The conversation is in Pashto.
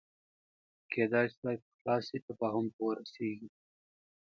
کېدای شوای پخلا شي تفاهم ته ورسېږي